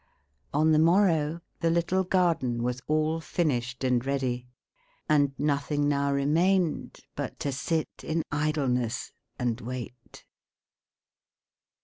On the morrow the little garden was all finished and ready, and nothing now remained but to sit in idleness and wait.